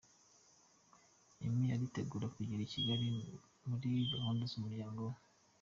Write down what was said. Emmy aritegura kugera i Kigali muri gahunda z'umuryango we.